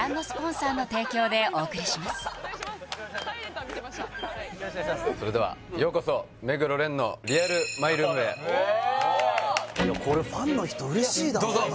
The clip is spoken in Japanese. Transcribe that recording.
果たしてそれではようこそ目黒蓮のリアルマイルームへいやこれファンの人嬉しいだろうな